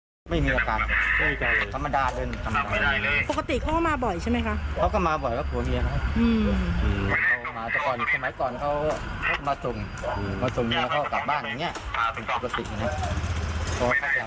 ก็บอกว่าไม่ได้ทำเขาตอบแค่นั้นไม่ได้มีอาการอะไรเลยไม่เคียบนิ่งแล้วเขาก็พาแค่เข้าไปหา